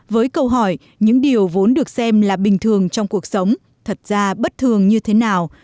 với câu hỏi những điều vốn được xem là bình thường trong cuộc sống thật ra bất thường như thế nào